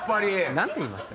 何て言いました？